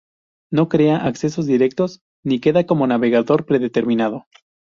No crea accesos directos ni queda como navegador predeterminado.